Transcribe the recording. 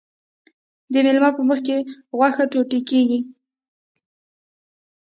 د میلمه په مخکې غوښه ټوټه کیږي.